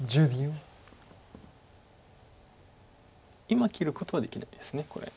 今切ることはできないですこれ。